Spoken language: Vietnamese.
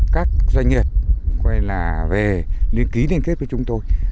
các doanh nghiệp về ký liên kết với chúng tôi